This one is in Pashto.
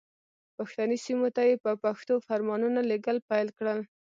پښتني سیمو ته یې په پښتو فرمانونه لېږل پیل کړل.